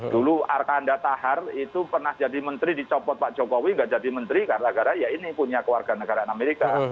dulu arkanda tahar itu pernah jadi menteri dicopot pak jokowi nggak jadi menteri karena ini punya kewarganegaraan amerika